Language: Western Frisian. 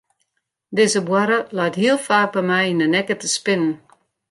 Dizze boarre leit hiel faak by my yn de nekke te spinnen.